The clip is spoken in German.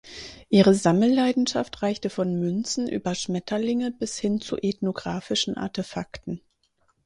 Ihre Sammelleidenschaft reichte von Münzen über Schmetterlinge bis hin zu ethnografischen Artefakten.